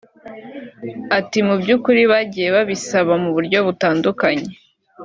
Ati “ Mu by’ukuri bagiye babisaba mu buryo butandukanye